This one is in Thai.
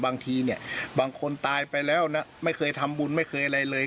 บางทีเนี่ยบางคนตายไปแล้วนะไม่เคยทำบุญไม่เคยอะไรเลย